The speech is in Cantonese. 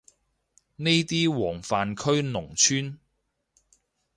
呢啲黃泛區農村